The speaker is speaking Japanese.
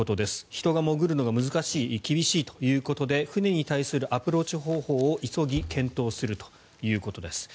人が潜るのが難しい厳しいということで船に対するアプローチ方法を急ぎ、検討するということです。